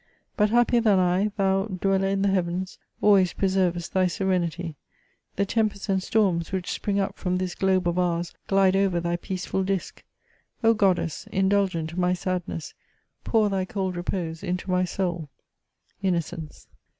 But happier than I, thou, dweller in the Heavens, always pre servest thy serenity ; the tempests and storms which spring up from this globe of ours, glide over thy peaceful disc. O god dess ! indulgent to my sadness, pour thy cold repose into my soul." "innocence.